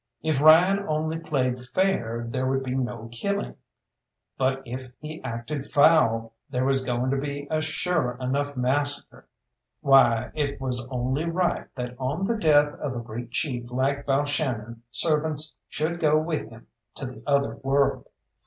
If Ryan only played fair there would be no killing, but if he acted foul there was going to be a sure enough massacre. Why, it was only right that on the death of a great chief like Balshannon servants should go with him to the other world.